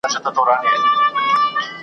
دومره ښه او لوړ آواز وو خدای ورکړی .